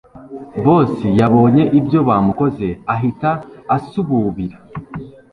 Boss yabonye ibyo bamukoze ahita asububira